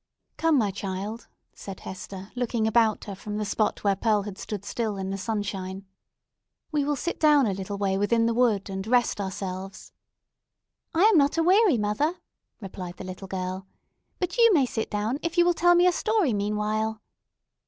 "Come, my child!" said Hester, looking about her from the spot where Pearl had stood still in the sunshine—"we will sit down a little way within the wood, and rest ourselves." "I am not aweary, mother," replied the little girl. "But you may sit down, if you will tell me a story meanwhile."